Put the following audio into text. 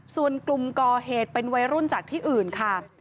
ส่วนกลุ่มก่อเหตุเป็นวัยรุ่นจากที่อื่นค่ะ